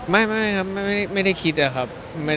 ไม่ครับไม่ได้คิดอะครับ